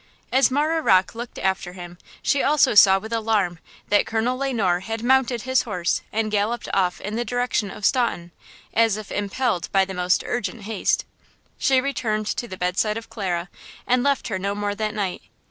As Marah Rocke looked after him, she also saw with alarm that Colonel Le Noir had mounted his horse and galloped off in the direction of Staunton, as if impelled by the most urgent haste. She returned to the bedside of Clara, and left her no more that night.